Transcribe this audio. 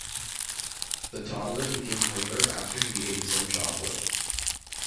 The toddler became hyper after he ate some chocolate.